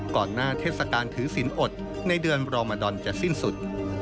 ก่อนหน้าเทศกาลถือศิลปอดในเดือนรอมาดอนจะสิ้นสุด